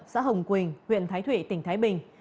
xã hồng quỳnh huyện thái thủy tỉnh thái bình